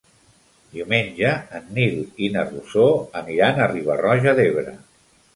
Diumenge en Nil i na Rosó aniran a Riba-roja d'Ebre.